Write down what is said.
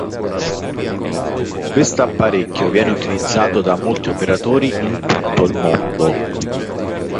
Quest'apparecchio viene utilizzato da molti operatori in tutto il mondo.